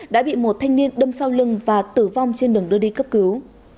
đã bị một thanh niên đâm sau lưng và tử vong trên đường đưa đi cấp cứu